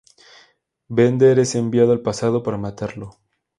Bender es enviado al pasado para matarlo.